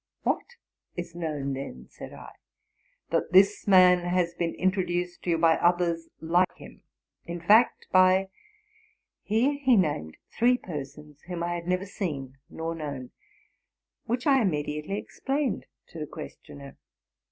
''—'* Whatis known, then?'' said IT. '* That this man has been introduced to you by others like him — in fact, by... .'' Here he named three persons whom I had never seen nor known, which I immediately ex plained to the questioner.